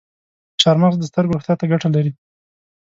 چارمغز د سترګو روغتیا ته ګټه لري.